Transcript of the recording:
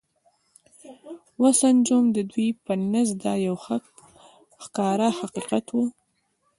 و سنجوم، د دوی په نزد دا یو ښکاره حقیقت و.